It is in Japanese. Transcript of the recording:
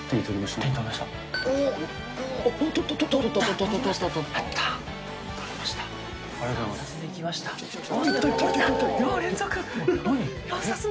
手に取りましたね。